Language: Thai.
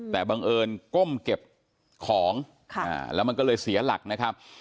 แต่บังเอิญก้มเก็บของแล้วมันก็เลยเสียหลักนะครับ